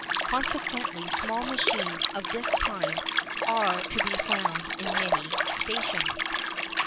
Consequently small machines of this kind are to be found in many stations.